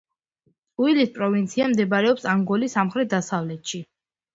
უილის პროვინცია მდებარეობს ანგოლის სამხრეთ-დასავლეთში.